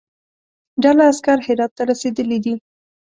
ډله عسکر هرات ته رسېدلی دي.